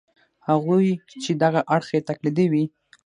هغوی چې دغه اړخ یې تقلیدي وي.